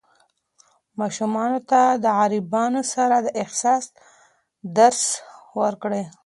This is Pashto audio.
ماشومانو ته د غریبانو سره د احسان درس ورکړئ.